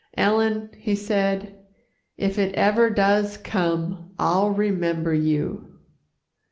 "Ellen," he said, "if it ever does come, I'll remember you."